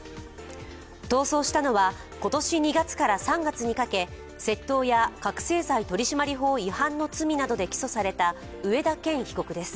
逃走したのは今年２月から３月にかけ、窃盗や覚醒剤取締法違反の罪で起訴された上田健被告です。